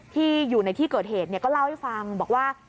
ที่อยู่ในที่เกิดเหตุก็เล่าให้ฟังบอกว่า